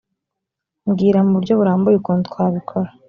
mbwira mu buryo burambuye ukuntu twabikora